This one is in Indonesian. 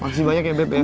maksud banyak ya beb ya